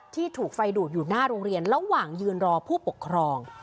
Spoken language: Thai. ถูกไฟดูดอยู่หน้าโรงเรียนระหว่างยืนรอผู้ปกครอง